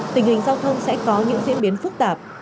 tình hình giao thông sẽ có những diễn biến phức tạp